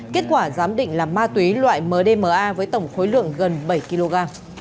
kết quả giám định là ma túy loại mdma với tổng khối lượng gần bảy kg